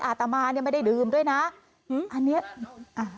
อาตามายังไม่ได้ดื่มด้วยนะอืมอานี้อ่าอ่า